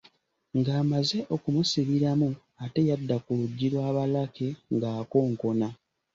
Ng’amaze okumusibiramu, ate yadda ku lujji lwa ba Lucky ng’akonkona.